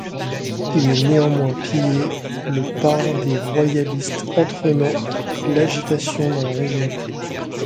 Il est néanmoins pillé le par les royalistes entretenant l’agitation dans la région.